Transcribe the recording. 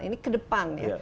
ini ke depan ya